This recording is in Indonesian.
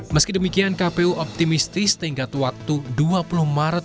meski demikian kpu optimistis tenggat waktu dua puluh maret